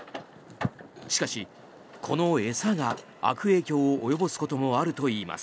しかし、この餌が悪影響を及ぼすこともあるといいます。